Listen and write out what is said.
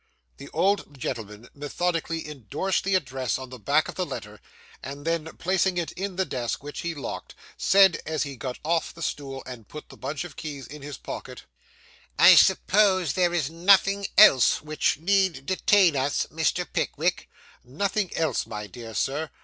The old gentleman methodically indorsed the address on the back of the letter; and then, placing it in the desk, which he locked, said, as he got off the stool and put the bunch of keys in his pocket 'I suppose there is nothing else which need detain us, Mr. Pickwick?' 'Nothing else, my dear Sir!